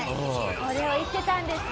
これを言ってたんですね。